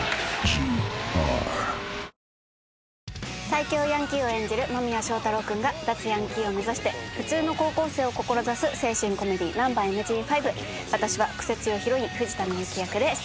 最強ヤンキーを演じる間宮祥太朗君が脱ヤンキーを目指して普通の高校生を志す青春コメディー『ナンバＭＧ５』私は癖強ヒロイン藤田深雪役で出演しています。